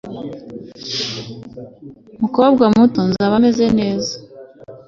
Mukobwa muto nzaba meze neza